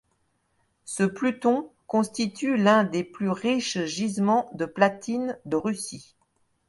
Ce pluton constitue l'un des plus riches gisements de platine de Russie.